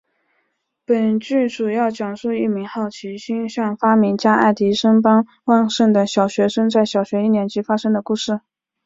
本剧主要讲述一名好奇心像发明家爱迪生般旺盛的小学生在小学一年级发生的故事。